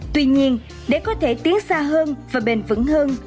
tuy nhiên để có thể tiến xa hơn và bền vững hơn